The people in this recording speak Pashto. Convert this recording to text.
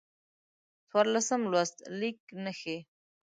څوارلسم لوست: لیک نښې